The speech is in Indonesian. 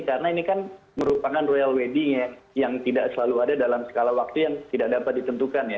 karena ini kan merupakan royal wedding yang tidak selalu ada dalam skala waktu yang tidak dapat ditentukan